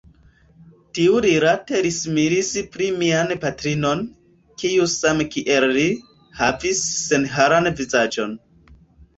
Tiurilate li similis pli mian patrinon, kiu same kiel li, havis senharan vizaĝon.